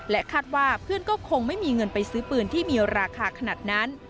คาดว่าเพื่อนก็คงไม่มีเงินไปซื้อปืนที่มีราคาขนาดนั้น